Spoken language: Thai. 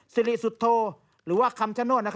สิริสุทธโธหรือว่าคำชโนธ